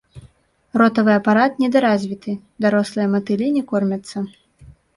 Ротавы апарат недаразвіты, дарослыя матылі не кормяцца.